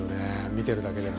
見てるだけでも。